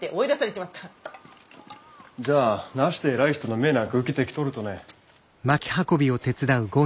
じゃあなして偉い人の命なんか受けてきとるとね。